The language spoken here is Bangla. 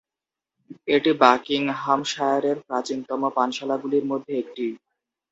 এটি বাকিংহামশায়ারের প্রাচীনতম পানশালাগুলির মধ্যে একটি।